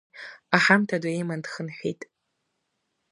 Аҳамҭа ду иман дхынҳәит.